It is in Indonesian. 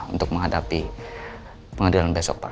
untuk menghadapi pengadilan besok pak